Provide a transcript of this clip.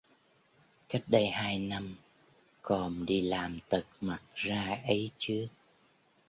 Cách đây tâm hai năm còm đi làm tật mặt ra ây chứ